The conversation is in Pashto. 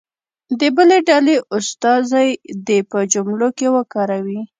د بلې ډلې استازی دې په جملو کې وکاروي.